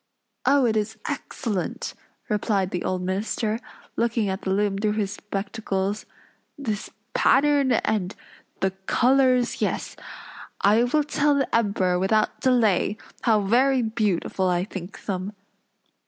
"Oh, it is excellent!" replied the old minister, looking at the loom through his spectacles. "This pattern, and the colors, yes, I will tell the Emperor without delay, how very beautiful I think them."